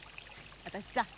私さ